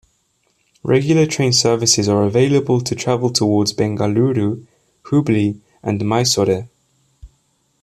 Regular train services are available to travel towards Bengaluru, Hubli and Mysore.